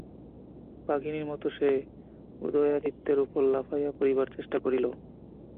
বাঘিনীর মতো সে উদয়াদিত্যের উপর লাফাইয়া পড়িবার চেষ্টা করিল।